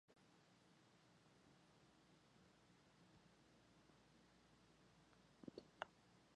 The name, however, was not approved by either Temple University or its surrounding community.